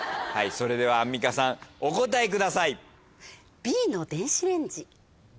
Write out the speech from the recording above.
それではアンミカさんお答えください。